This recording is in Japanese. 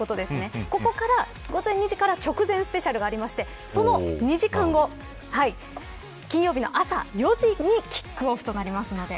ここから午前２時から直前スペシャルがありましてその２時間後金曜日の朝４時にキックオフとなりますので。